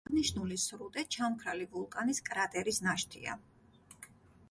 აღნიშნული სრუტე ჩამქრალი ვულკანის კრატერის ნაშთია.